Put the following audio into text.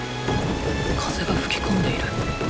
風が吹き込んでいる。